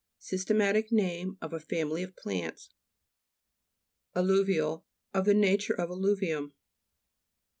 Systematic name of a family of plants. ALLU'VIAL Of the nature of allu vium.